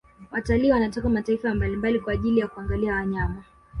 Watalii wanatoka mataifa mbalimbali kwa ajili ya kuangalia wanyama